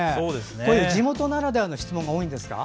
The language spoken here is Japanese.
こういう地元ならではの質問が多いんですか？